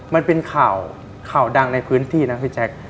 มันเป็นข่าวข่าวดังในพื้นที่นะพี่แจ๊ค